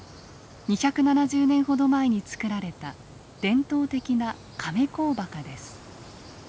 ２７０年ほど前につくられた伝統的な「亀甲墓」です。